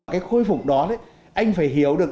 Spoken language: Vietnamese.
cái khôi phục đó anh phải hiểu được